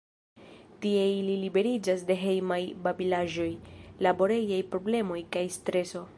Tie ili liberiĝas de hejmaj babilaĵoj, laborejaj problemoj kaj streso.